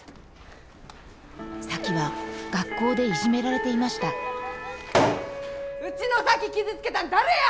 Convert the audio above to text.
咲妃は学校でいじめられていましたうちの咲妃傷つけたん誰や！